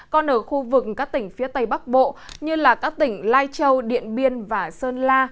còn ở khu vực các tỉnh phía tây bắc bộ như các tỉnh lai châu điện biên và sơn la